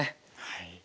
はい。